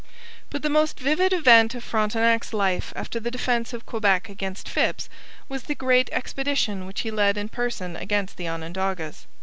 But the most vivid event of Frontenac's life after the defence of Quebec against Phips was the great expedition which he led in person against the Onondagas.